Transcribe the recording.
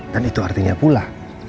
dan itu artinya pula